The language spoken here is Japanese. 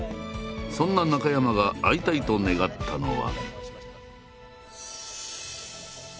そんな中山が会いたいと願ったのは。